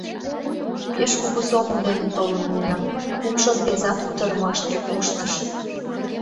Пеш кугу сомыл дене толын улына, — кумшо рвезат кутырымашке ушныш.